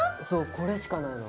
これしかないの。